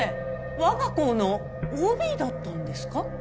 我が校のＯＢだったんですか？